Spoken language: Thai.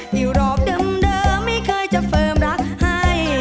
อยู่รอบเดิมไม่เคยจะเฟิร์มรักให้